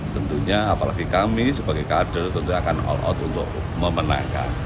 tentunya apalagi kami sebagai kader tentu akan all out untuk memenangkan